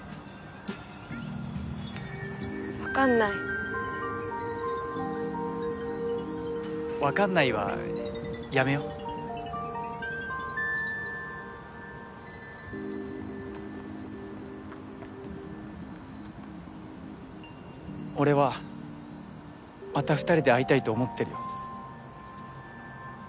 分かんない分かんないはやめよ俺はまた２人で会いたいと思ってるよ